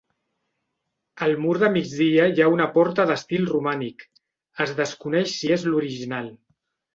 Al mur de migdia hi ha una porta d'estil romànic, es desconeix si és l'original.